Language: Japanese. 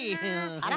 あら？